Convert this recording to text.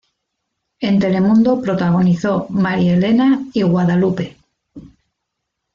En Telemundo protagonizó Marielena y Guadalupe.